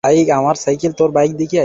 কেউ কি আহত হয়েছে?